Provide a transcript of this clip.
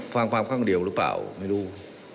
ฟังความข้างเดียวหรือเปล่าไม่รู้